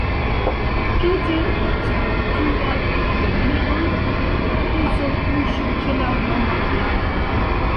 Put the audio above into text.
Preter strukturaj plibonigoj, fokuso kuŝu ĉe la homa flanko.